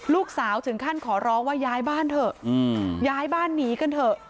ลูกสาวถึงขั้นขอร้องว่าย้ายบ้านเถอะย้ายบ้านหนีกันเถอะ